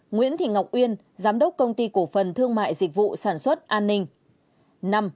nguyễn thị ngọc uyên giám đốc công ty cổ phần thương mại dịch vụ sản xuất an ninh